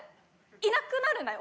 いなくなるんだよ？